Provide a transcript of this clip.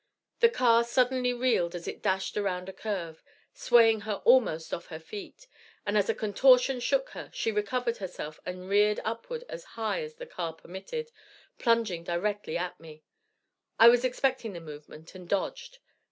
The car suddenly reeled as it dashed around a curve, swaying her almost off her feet, and as a contortion shook her, she recovered herself, and rearing upward as high as the car permitted, plunged directly at me. I was expecting the movement, and dodged.